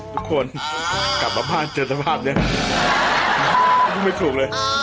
ทุกคนกลับมาบ้านเจ็บสนบาดนี้ไม่ถูกเลย